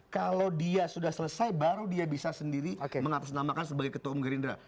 kalau dia sudah selesai baru dia bisa sendiri mengatasnamakan sebagai ketua umum gerindra